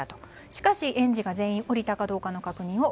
しかし、園児が全員降りたかどうかの確認を